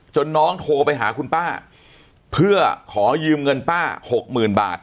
จนน้องโทรไปหาคุณป้าเพื่อขอยืมเงินป้า๖๐๐๐๐บาท